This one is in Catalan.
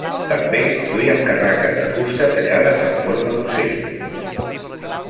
També duien carraques de fusta tallades en forma d'ocell.